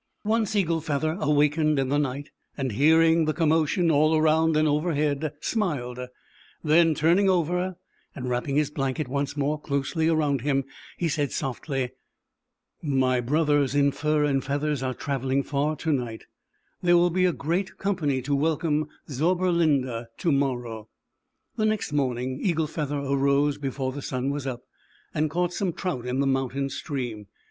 Once Eagle Feather awakened in the night, and hearing the com motion all around and overhead, 111 j smiled, then turning over, and wrap ping his blanket more closely around him, he said, softly: " My brothers Fur and Feathers are travelin to night; there will in 216 ZAUBERLINDA, THE WISE WITCH. company to welcome Zauberlinda to morrow." The next morning Eagle Feather arose before the sun was up, and caught some trout in the mountain stream.